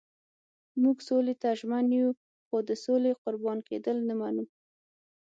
موږ سولې ته ژمن یو خو د سولې قربان کېدل نه منو.